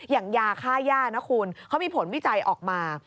อย่างยาค่าย่านะคุณเขามีผลวิจัยออกมา